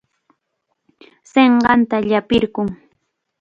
Sinqanta llapirqun.